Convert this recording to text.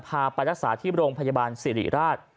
พาไปรักษาที่โรงพยาบาลสิริราช